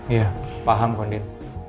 iya paham kondien